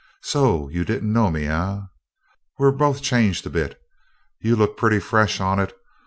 So you didn't know me, eh? We're both changed a bit. You look pretty fresh on it.